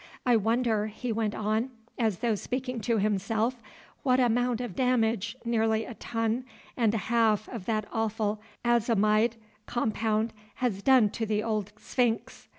I wonder," he went on, as though speaking to himself, "what amount of damage nearly a ton and a half of that awful azo imide compound has done to the old sphinx.